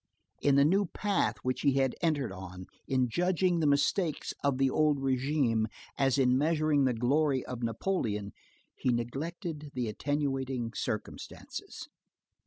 In the new path which he had entered on, in judging the mistakes of the old regime, as in measuring the glory of Napoleon, he neglected the attenuating circumstances.